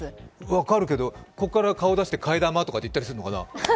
わかるけど、ここから顔出して「替え玉」とか言ったりするのかな。